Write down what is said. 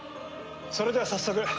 それでは早速。